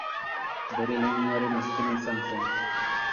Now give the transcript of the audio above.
Bere leinuaren azkena izan zen.